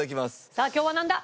さあ今日はなんだ？